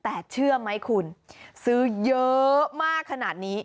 แต่เชื่อไหมคุณซื้อเยอะมากขนาดนี้